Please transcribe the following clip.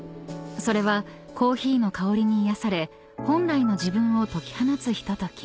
［それはコーヒーの香りに癒やされ本来の自分を解き放つひととき］